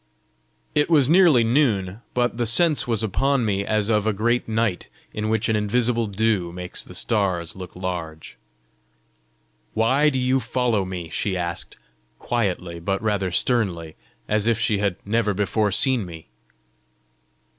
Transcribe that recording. It was nearly noon, but the sense was upon me as of a great night in which an invisible dew makes the stars look large. "Why do you follow me?" she asked, quietly but rather sternly, as if she had never before seen me.